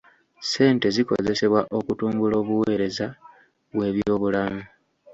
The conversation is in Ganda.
Ssente zikozesebwa okutumbula obuweereza bw'ebyobulamu.